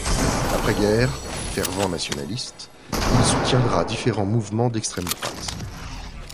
Après guerre, fervent nationaliste, il soutiendra différents mouvements d'extrême droite.